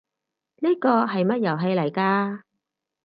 呢個係乜遊戲嚟㗎？